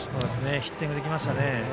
ヒッティングできましたね。